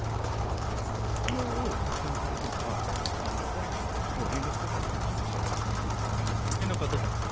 出場を決断されてからダルビッシュ投手と連絡は取っていますね。